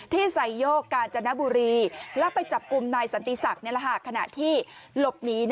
ไซโยกกาญจนบุรีแล้วไปจับกลุ่มนายสันติศักดิ์ขณะที่หลบหนี